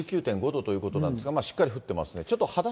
１９．５度ということなんですが、しっかり降ってますね。